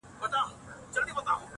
او د هر فرد امتیازي